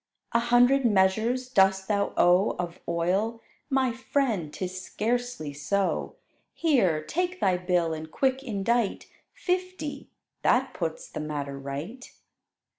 "A hundred measures dost thou owe Of oil? My friend, 'tis scarcely so: Here, take thy bill and quick indite Fifty: that puts the matter right."